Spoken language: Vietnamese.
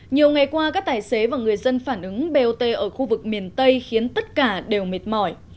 nhiều ngày qua các tài xế và người dân phản ứng bot ở khu vực miền tây khiến tất cả đều mệt mỏi